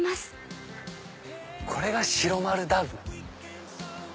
これが白丸ダム。